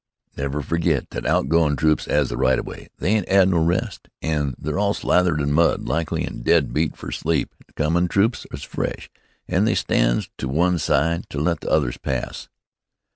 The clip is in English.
"Never forget that! Outgoin' troops 'as the right o' way. They ain't 'ad no rest, an' they're all slathered in mud, likely, an' dead beat fer sleep. Incomin' troops is fresh, an' they stands to one side to let the others pass."